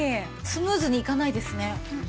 スムーズにいかないですね。